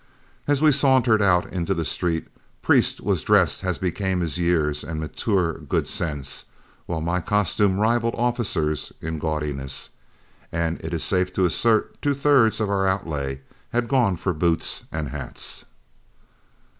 As we sauntered out into the street, Priest was dressed as became his years and mature good sense, while my costume rivaled Officer's in gaudiness, and it is safe to assert two thirds of our outlay had gone for boots and hats.